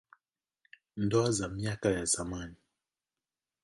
Ndoa za miaka ya zamani.